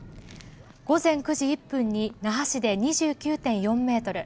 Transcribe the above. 午前９時１分に那覇市で２９．４メートル。